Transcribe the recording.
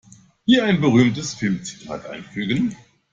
Hier ein berühmtes Filmzitat einfügen.